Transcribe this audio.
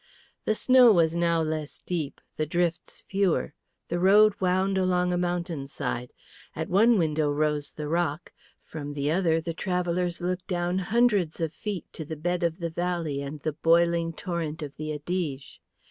The snow was now less deep, the drifts fewer. The road wound along a mountain side: at one window rose the rock; from the other the travellers looked down hundreds of feet to the bed of the valley and the boiling torrent of the Adige.